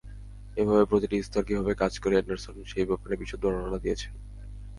এভাবে প্রতিটি স্তর কীভাবে কাজ করে, এন্ডারসন সেই ব্যাপারে বিশদ বর্ণনা দিয়েছেন।